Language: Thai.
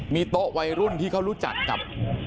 มีโต๊ะวัยรุ่นที่เขารู้จักกับ